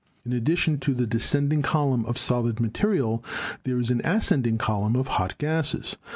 In addition to the descending column of solid material 294 GEOLOGY there is an ascending column of hot gases.